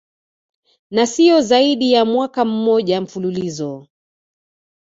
na siyo zaidi ya mwaka mmoja mfululizo